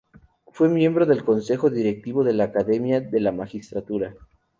Fue miembro del Consejo Directivo de la Academia de la Magistratura.